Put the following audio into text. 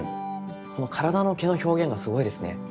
この体の毛の表現がすごいですね。